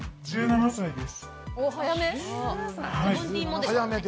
１７歳です。